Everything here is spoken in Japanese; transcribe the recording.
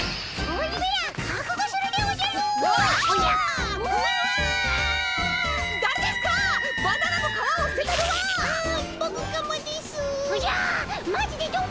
おじゃっ！